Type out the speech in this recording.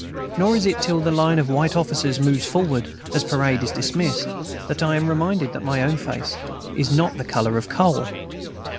nor is it till the line of white officers moves forward, as parade is dismissed, that I am reminded that my own face is not the color of coal.